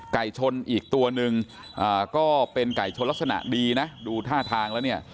ไก่ชนอีกตัวหนึ่งก็เป็นไก่ชนลักษณะดีนะดูท่าทางแล้วเนี่ย